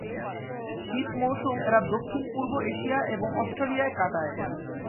শীত মৌসুম এরা দক্ষিণ-পূর্ব এশিয়া এবং অস্ট্রেলিয়ায় কাটায়।